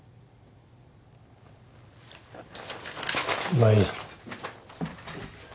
まあいい。